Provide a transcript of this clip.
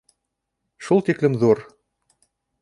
Шул тиклем ҙур.